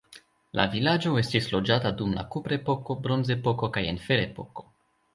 La vilaĝo estis loĝata dum la kuprepoko, bronzepoko kaj en ferepoko.